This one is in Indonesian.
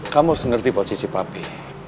kamu harus mengerti posisi papi